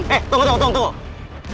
eh tunggu tunggu tunggu